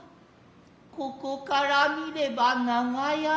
ここから視れば長屋だが。